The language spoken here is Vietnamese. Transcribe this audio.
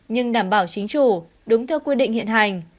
nhưng đảm bảo chính chủ đúng theo quy định hiện hành